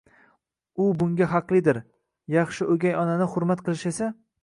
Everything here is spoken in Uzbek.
u bunga haqlidir. Yaxshi o'gay onani hurmat qilish esa